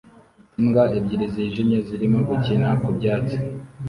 Imbwa ebyiri zijimye zirimo gukina ku byatsi